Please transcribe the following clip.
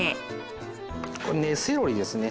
これ根セロリですね。